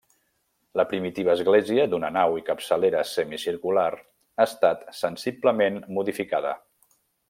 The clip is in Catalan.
La primitiva església d'una nau i capçalera semicircular ha estat sensiblement modificada.